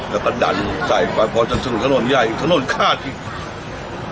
แล้วก็ดันใส่ไปพอจะสู้ถนนไยถนนข้าดจริง